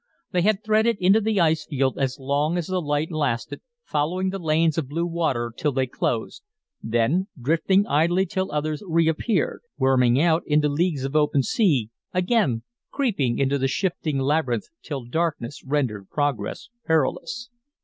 They had threaded into the ice field as long as the light lasted, following the lanes of blue water till they closed, then drifting idly till others appeared; worming out into leagues of open sea, again creeping into the shifting labyrinth till darkness rendered progress perilous.